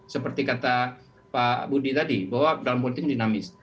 seperti kata pak budi tadi bahwa dalam politik dinamis